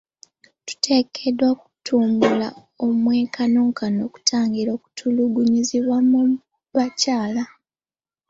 Tuteekeddwa okutumbula omwenkanonkano okutangira okutulugunyizibwa mu bakyala.